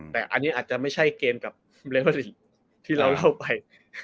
แต่อันนี้อาจจะไม่ใช่เกมกับเลเวอร์ริกที่เราเล่าไป